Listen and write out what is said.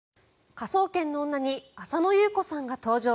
「科捜研の女」に浅野ゆう子さんが登場。